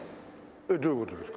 えっどういう事ですか？